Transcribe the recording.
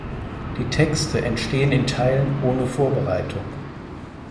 Die Texte entstehen in Teilen ohne Vorbereitung.